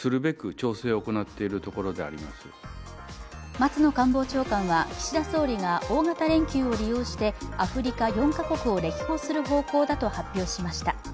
松野官房長官は岸田総理が大型連休を利用してアフリカ４か国を歴訪する方向だと発表しました。